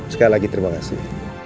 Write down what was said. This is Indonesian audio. sekali lagi terima kasih